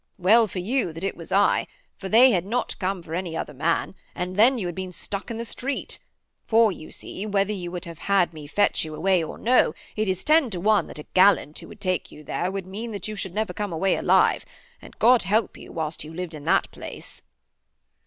Well for you that it was I, for they had not come for any other man, and then you had been stuck in the street. For, see you, whether you would have had me fetch you away or no it is ten to one that a gallant who would take you there would mean that you should never come away alive and God help you whilst you lived in that place.'